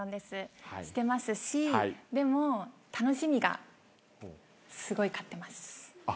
してますしでも楽しみがすごい勝ってます。